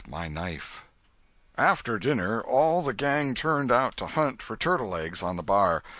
CHAPTER XVI AFTER dinner all the gang turned out to hunt for turtle eggs on the bar.